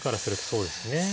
そうですね。